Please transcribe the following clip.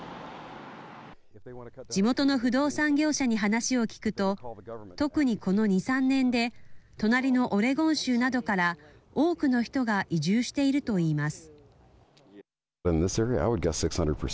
地元の不動産業者に話を聞くと特にこの２、３年で隣のオレゴン州などから多くの人が移住していると言います。